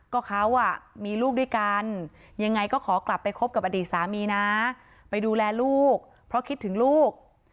ก็เขามีลูกด้วยกันยังไงก็ขอกลับไปคบกับอดีตสามีนะไปดูแลลูกเพราะคิดถึงลูก